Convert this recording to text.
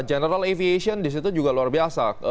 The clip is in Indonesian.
general aviation di situ juga luar biasa